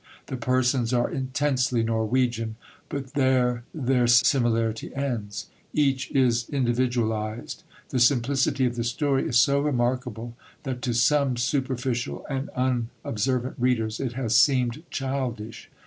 The persons are intensely Norwegian, but there their similarity ends. Each is individualised. The simplicity of the story is so remarkable that to some superficial and unobservant readers it has seemed childish.